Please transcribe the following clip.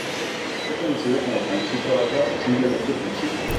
Fue conocido como "Panchito Alba" o simplemente "Panchito".